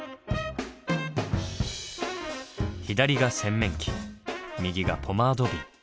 左が洗面器右がポマード瓶。